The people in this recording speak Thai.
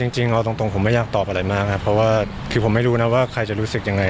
จริงเอาตรงผมไม่อยากตอบอะไรมากครับเพราะว่าคือผมไม่รู้นะว่าใครจะรู้สึกยังไง